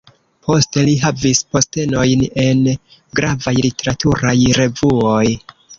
Poste li havis postenojn en gravaj literaturaj revuoj.